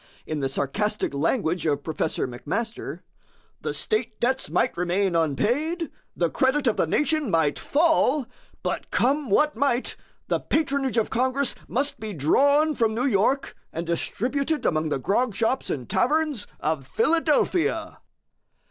In the sarcastic language of Professor McMaster, "The state debts might remain unpaid, the credit of the nation might fall, but come what might, the patronage of Congress must be drawn from New York and distributed among the grog shops and taverns of Philadelphia."